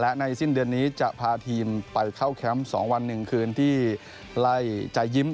และในสิ้นเดือนนี้จะพาทีมไปเข้าแคมป์๒วัน๑คืนที่ไล่ใจยิ้ม